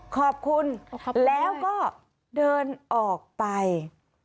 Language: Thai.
ขอบคุณแล้วก็เดินออกไปแบบนี้โอ้โฮขอบคุณ